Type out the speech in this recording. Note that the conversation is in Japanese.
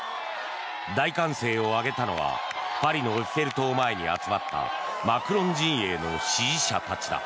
大歓声を上げたのはパリのエッフェル塔前に集まったマクロン陣営の支持者たちだ。